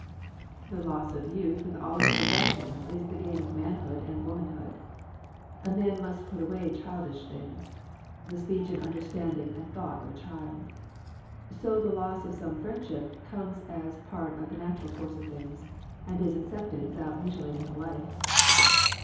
The loss of youth with all its possessions is the gain of manhood and womanhood. A man must put away childish things, the speech and understanding and thought of a child. So the loss of some friendship comes as a part of the natural course of things, and is accepted without mutilat ing the life.